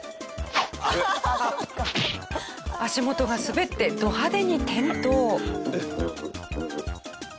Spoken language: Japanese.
足元が滑ってド派手に転倒。